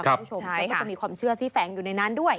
แล้วก็จะมีความเชื่อที่แฟ้งอยู่ในนั้นด้วย